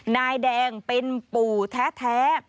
นายแดงเป็นปู่แท้